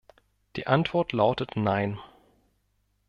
Die Antwort lautet nein!